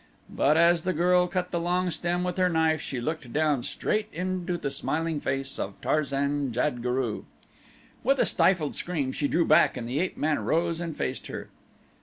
But as the girl cut the long stem with her knife she looked down straight into the smiling face of Tarzan jad guru. With a stifled scream she drew back and the ape man rose and faced her.